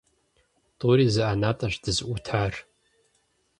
ТӀури зы ӀэнатӀэщ дызыӀутар.